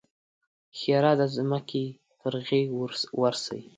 ښېرا: د ځمکې پر غېږ ورسئ!